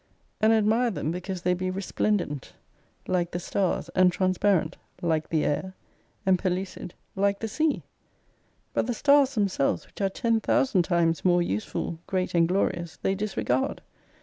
And admire them because they be resplendent like the 23 stars, and transparent like the air, and pellucid like the sea. But the stars themselves which are ten thousand times more useful, great, and glorious they disregard.